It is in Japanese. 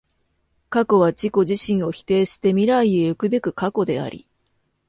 過去は自己自身を否定して未来へ行くべく過去であり、